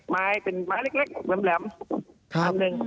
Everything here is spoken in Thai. ไม้เป็นไม้เล็กแหลมอันหนึ่ง